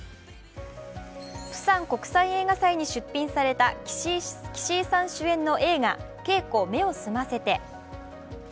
釜山国際映画祭に出品された岸井さん主演の映画「ケイコ目を澄ませて」。